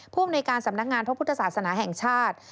ภูมิในการสำนักงานพระพุทธศาสนาแห่งชาติ